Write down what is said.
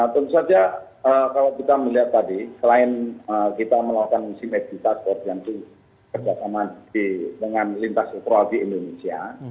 tentu saja kalau kita melihat tadi selain kita melakukan simetrikan untuk berganti kerja sama dengan lintas ekor lagi indonesia